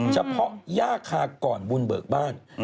เฉพาะหญ้าคากก่อนวุลเบิกบ้าน